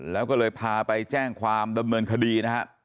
แล้วก็เลยพาไปแจ้งความดำเนินคดีนะฮะ